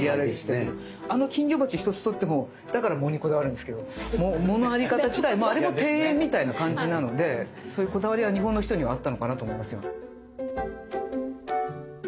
あの金魚鉢一つとってもだから藻にこだわるんですけど藻のあり方自体もあれも庭園みたいな感じなのでそういうこだわりは日本の人にはあったのかなと思いますよ。